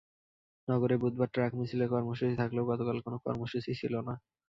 নগরে বুধবার ট্রাক মিছিলের কর্মসূচি থাকলেও গতকাল কোনো কর্মসূচিই ছিল না।